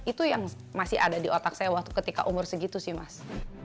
itu yang masih ada di otak saya waktu ketika umur segitu sih mas